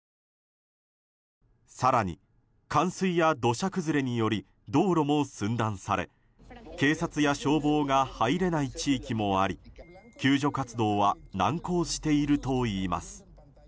更に冠水や土砂崩れにより道路も寸断され警察や消防が入れない地域もあり救助活動は難航しているといいます。